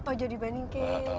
oh jadi banyke